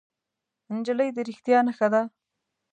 نجلۍ د رښتیا نښه ده.